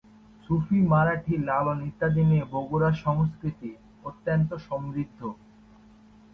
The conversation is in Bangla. সুফি, মারাঠি, লালন ইত্যাদি নিয়ে বগুড়ার সংস্কৃতি অত্যন্ত সমৃদ্ধ।